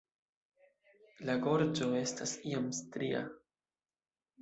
La gorĝo estas iom stria.